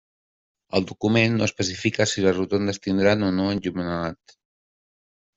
El document no especifica si les rotondes tindran o no enllumenat.